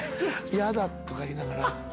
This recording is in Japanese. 「ヤダ！」とか言いながら。